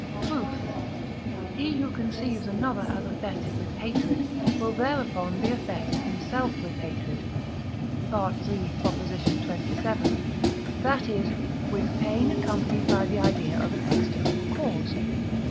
Proof. He who conceives another as affected with hatred, will thereupon be affected himself with hatred (III. xxvii.), that is, with pain, accompanied by the idea of an external cause.